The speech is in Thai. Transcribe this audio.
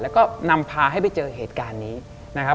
แล้วก็นำพาให้ไปเจอเหตุการณ์นี้นะครับ